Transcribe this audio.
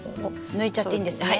抜いちゃっていいんですね？